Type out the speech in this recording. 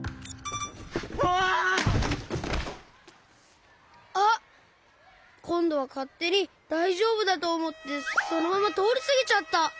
うわ！あっこんどはかってにだいじょうぶだとおもってそのままとおりすぎちゃった！